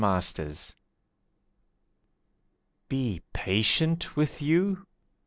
Patience Be patient with you?